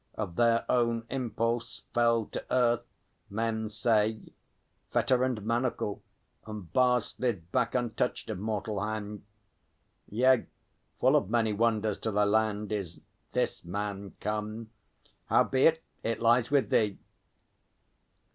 Of their own impulse fell To earth, men say, fetter and manacle, And bars slid back untouched of mortal hand. Yea, full of many wonders to thy land Is this man come. ... Howbeit, it lies with thee!